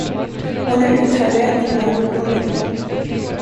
Och nu uthärdar jag inte den här oron längre.